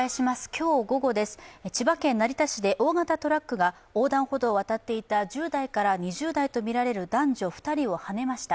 今日午後です、千葉県成田市で大型トラックが横断歩道を渡っていた１０代から２０代とみられる男女２人をはねました。